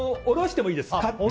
おろしてもいいです。